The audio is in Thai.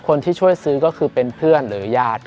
คนที่ช่วยซื้อก็คือเป็นเพื่อนหรือญาติ